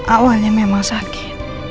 awalnya memang sakit